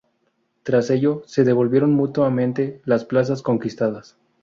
Tras ello, se devolvieron mutuamente las plazas conquistadas.